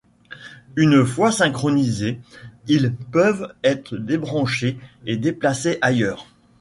Une fois synchronisés, ils peuvent être débranchés et déplacés ailleurs.